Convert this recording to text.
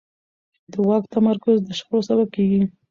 د واک تمرکز د شخړو سبب کېږي